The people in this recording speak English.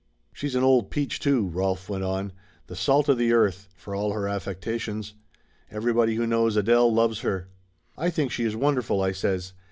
"She's an old peach too!" Rolf went on. "The salt of the earth, for all her affectations. Everybody who knows Adele loves her." "I think she is wonderful!" I says.